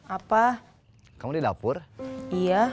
apa kamu di dapur iya